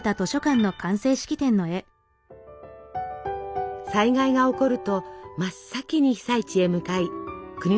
災害が起こると真っ先に被災地へ向かい国のために奮闘。